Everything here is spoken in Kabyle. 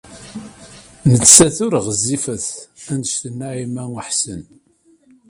Nettat ur ɣezzifet anect n Naɛima u Ḥsen.